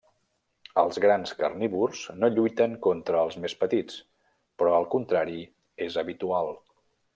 Els grans carnívors no lluiten contra els més petits, però el contrari és habitual.